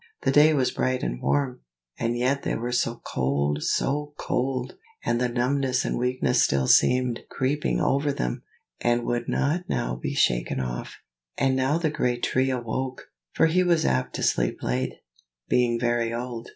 The day was bright and warm, and yet they were so cold, so cold! and the numbness and weakness still seemed creeping over them, and would not now be shaken off. And now the great Tree awoke, (for he was apt to sleep late, being very old.)